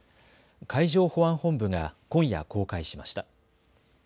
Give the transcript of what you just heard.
海上保安本部が今夜公開しました。